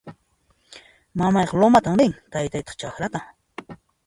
Mamayqa lumatan rin; papaytaq chakrata